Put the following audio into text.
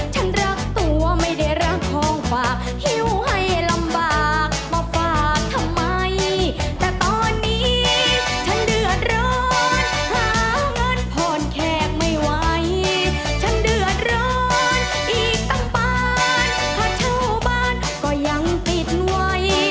ฉันเดือดเรินอีกตั้งปานถ้าเช่าบ้านก็ยังปิดหน่วย